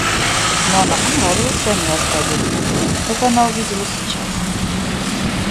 Но она понравилась Анне Аркадьевне, — это она увидела сейчас.